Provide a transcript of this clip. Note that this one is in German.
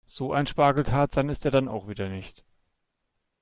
So ein Spargeltarzan ist er dann auch wieder nicht.